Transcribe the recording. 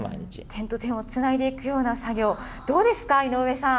点と点をつないでいくような作業、どうですか、井上さん。